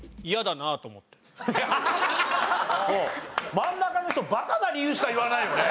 真ん中の人バカな理由しか言わないよね。